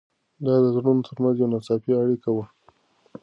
دا د زړونو تر منځ یوه ناڅاپي اړیکه وه.